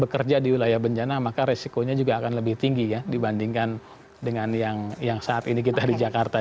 bekerja di wilayah bencana maka resikonya juga akan lebih tinggi ya dibandingkan dengan yang yang saat ini kita di jakarta